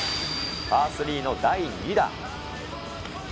パー３の第２打。